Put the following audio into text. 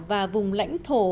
và vùng lãnh thổ